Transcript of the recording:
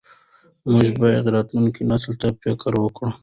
موږ باید راتلونکي نسل ته فکر وکړو.